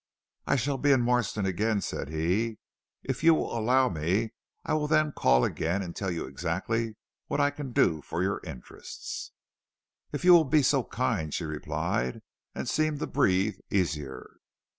"I shall be in Marston again," said he; "if you will allow me I will then call again and tell you exactly what I can do for your interest." "If you will be so kind," she replied, and seemed to breathe easier.